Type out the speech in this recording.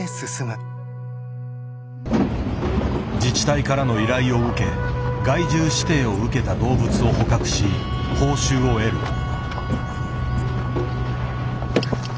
自治体からの依頼を受け害獣指定を受けた動物を捕獲し報酬を得る。